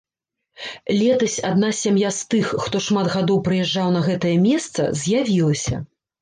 Летась адна сям'я з тых, хто шмат гадоў прыязджаў на гэтае месца, з'явілася.